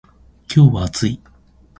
今日は暑い